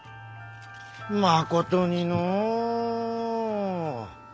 まことにのう。